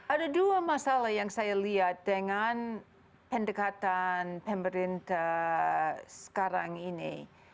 ada dua masalah yang saya lihat dengan pendekatan pemerintah sekarang ini